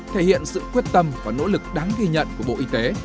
thể hiện sự quyết tâm và nỗ lực đáng ghi nhận của bộ y tế